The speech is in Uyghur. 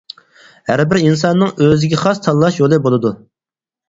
ھەر بىر ئىنساننىڭ ئۆزىگە خاس تاللاش يولى بولىدۇ.